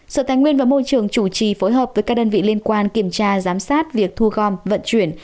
sở tài nguyên và môi trường chủ trì phối hợp với các đơn vị liên quan kiểm tra giám sát việc thu gom vận chuyển